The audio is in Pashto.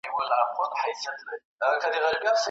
ماشومان باید د خوب پوره او منظم وخت ولري.